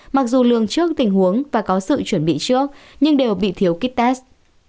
mặc dù lường trước tình huống và có sự chuẩn bị trước nhưng đều bị thiếu kít test